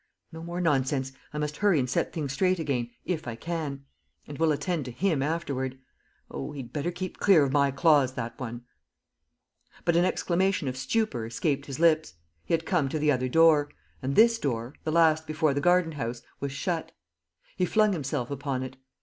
No more nonsense. ... I must hurry and set things straight again, if I can. ... And we'll attend to 'him' afterward. ... Oh, he'd better keep clear of my claws, that one!" But an exclamation of stupor escaped his lips; he had come to the other door; and this door, the last before the garden house, was shut. He flung himself upon it.